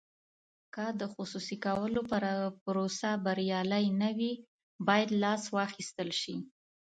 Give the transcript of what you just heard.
که د خصوصي کولو پروسه بریالۍ نه وي باید لاس واخیستل شي.